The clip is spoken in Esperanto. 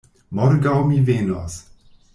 Morgaŭ mi venos.